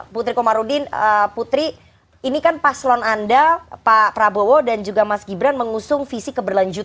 putri komarudin putri ini kan paslon anda pak prabowo dan juga mas gibran mengusung visi keberlanjutan